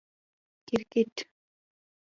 🏏 کرکټ